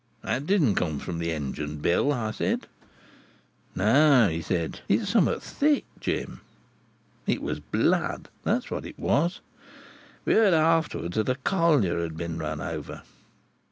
'That didn't come from the engine, Bill,' I said. 'No,' he said; 'it's something thick, Jim.' It was blood. That's what it was. We heard afterwards that a collier had been run over.